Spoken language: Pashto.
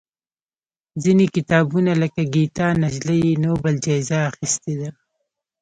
ځینې کتابونه لکه ګیتا نجلي یې نوبل جایزه اخېستې ده.